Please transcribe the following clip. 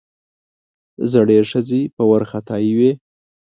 زړې ښځې په وارخطايي وې.